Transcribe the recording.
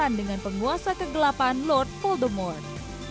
dan dengan penguasa kegelapan lord voldemort